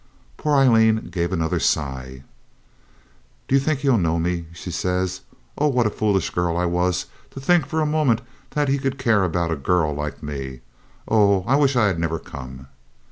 Poor Aileen gave another sigh. 'Do you think he'll know me?' she says. 'Oh! what a foolish girl I was to think for a moment that he could care about a girl like me. Oh! I wish I had never come.'